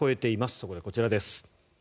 そこでこちらです。